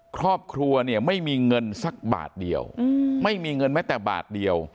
ครอบครัวเนี่ยไม่มีเงินสักบาทเดียวไม่มีเงินแม้แต่บาทเดียว